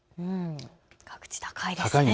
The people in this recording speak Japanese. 各地、高いですね。